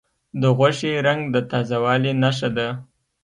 د غوښې رنګ د تازه والي نښه ده.